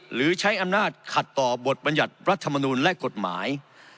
หรือใช้อำนาจขัดต่อบทบรรยัติรัฐมนูลและกฎหมาย